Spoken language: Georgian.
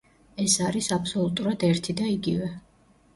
ეს არის აბსოლუტურად ერთი და იგივე.